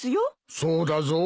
そうだぞ。